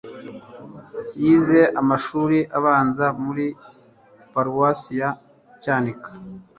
Yize amashuri abanza muri Paruwasi ya Cyanika